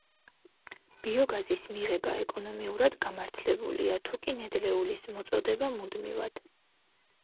ბიოგაზის მიღება ეკონომიურად გამართლებულია, თუკი ნედლეულის მოწოდება მუდმივად.